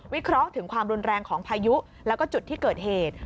เคราะห์ถึงความรุนแรงของพายุแล้วก็จุดที่เกิดเหตุ